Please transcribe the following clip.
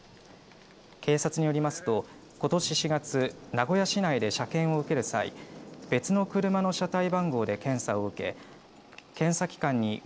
警察によりますと、ことし４月名古屋市内で車検を受ける際別の車の車体番号で検査を受け検査機関にう